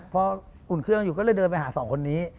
พออุ่นเครื่องอยู่ก็เลยเดินไปหาสองคนนี้